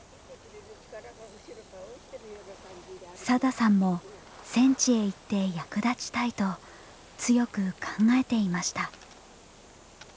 サダさんも戦地へ行って役立ちたいと強く考えていました。